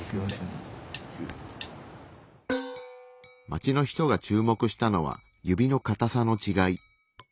街の人が注目したのは指のかたさのちがい。